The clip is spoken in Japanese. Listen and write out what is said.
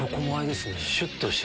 シュっとしてる。